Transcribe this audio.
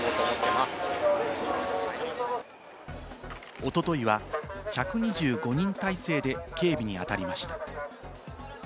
おとといは１２５人体制で警備に当たりました。